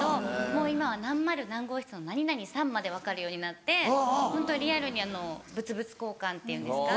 もう今は何○何号室の何々さんまで分かるようになってホントリアルに物々交換っていうんですか？